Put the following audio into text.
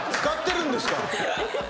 使ってるんですか？